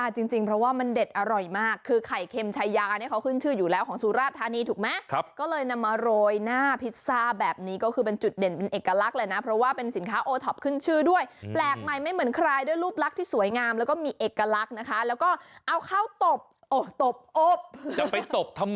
จริงเพราะว่ามันเด็ดอร่อยมากคือไข่เค็มชายาเนี่ยเขาขึ้นชื่ออยู่แล้วของสุราธานีถูกไหมก็เลยนำมาโรยหน้าพิซซ่าแบบนี้ก็คือเป็นจุดเด่นเป็นเอกลักษณ์เลยนะเพราะว่าเป็นสินค้าโอท็อปขึ้นชื่อด้วยแปลกใหม่ไม่เหมือนใครด้วยรูปลักษณ์ที่สวยงามแล้วก็มีเอกลักษณ์นะคะแล้วก็เอาข้าวตบอบตบอบจะไปตบทำ